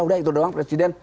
udah itu doang presiden